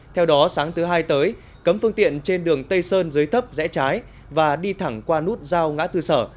theo đó sáng thứ hai tới cấm phương tiện trên đường tây sơn dưới thấp rẽ trái và đi thẳng qua nút giao ngã tư sở